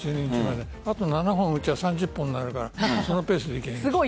あと７本打てば３０本になるからそのペースでいけばいい。